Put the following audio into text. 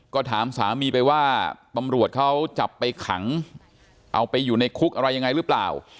ก็ถามสามีไปว่าตำรวจเขาจับไปขังเอาไปอยู่ในคุกอะไรยังไงหรือเปล่า